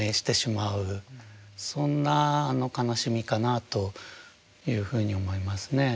そんな悲しみかなというふうに思いますね。